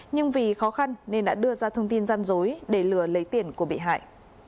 nhưng vì khó khăn nên đã đưa ra thông tin gian dối để lừa lấy tiền của bị hại